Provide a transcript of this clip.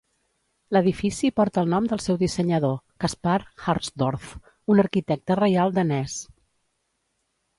L'edifici porta el nom del seu dissenyador, Caspar Harsdorff, un arquitecte reial danès.